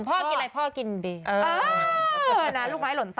พ่อกินอะไรพ่อกินเบร์